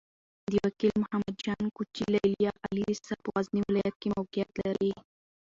د وکيل محمد جان کوچي ليليه عالي لېسه په غزني ولايت کې موقعيت لري.